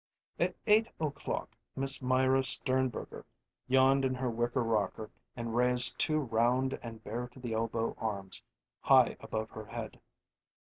At eight o'clock Miss Myra Sternberger yawned in her wicker rocker and raised two round and bare to the elbow arms high above her head.